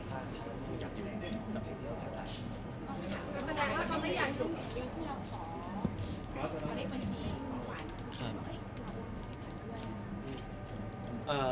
แต่ถ้าเขาก็อยากอยู่กับสิ่งที่เขาแทนใจ